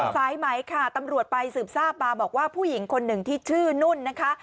สายไหมค่ะตำรวจไปสืบทราบมาบอกว่าผู้หญิงคนหนึ่งที่ชื่อนุ่นนะคะ